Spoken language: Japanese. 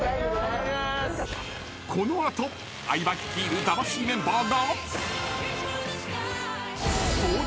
［この後相葉率いる魂メンバーが］